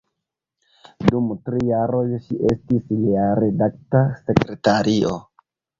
Dum tri jaroj ŝi estis lia redakta sekretario.